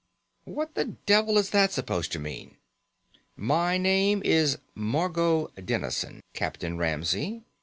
"What the devil is that supposed to mean?" "My name is Margot Dennison, Captain Ramsey.